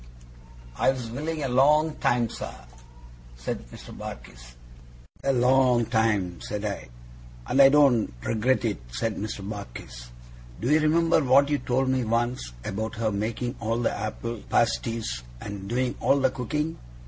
'I was willin' a long time, sir?' said Mr. Barkis. 'A long time,' said I. 'And I don't regret it,' said Mr. Barkis. 'Do you remember what you told me once, about her making all the apple parsties and doing all the cooking?